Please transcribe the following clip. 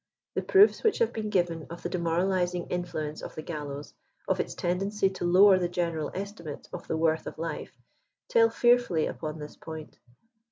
The proofs which have been given of the demoraliasing influence of the gallows, of its tendency to lower the general estimate of the worth of life, tell fearfully upon this point.